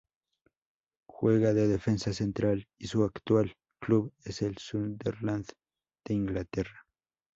Juega de defensa central, y su actual club es el Sunderland de Inglaterra.